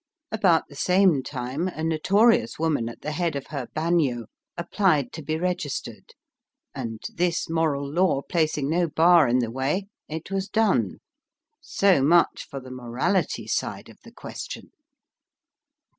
About the same time a notorious woman at the head of her bagnio appUed to be registered, and, this moral law placing no bar in the way, it was done. So much for the morality side of the question."